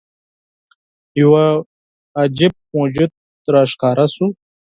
یوه عجيب موجود راښکاره شو.